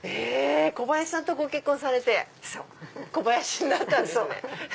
小林さんとご結婚されて小林になったんですね。